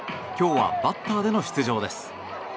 今日はバッターでの出場です。